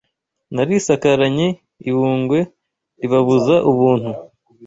Narisakaranye i Bungwe ribabuza ubuntu